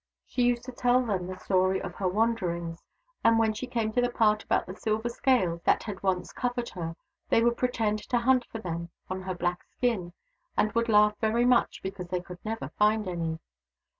She used to tell them the story of her wanderings, and when she came to the part about the silver scales that had once covered her, they would pretend to hunt for them on her black skin, and would laugh very much because they could never find any.